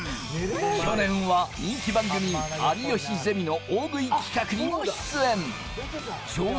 去年は人気番組『有吉ゼミ』の大食い企画にも出演。